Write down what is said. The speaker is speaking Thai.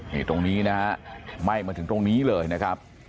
นี่ตรงนี้นะฮะไหม้มาถึงตรงนี้เลยนะครับ